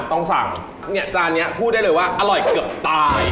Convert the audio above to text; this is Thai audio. ต้องสั่งเนี่ยจานนี้พูดได้เลยว่าอร่อยเกือบตาย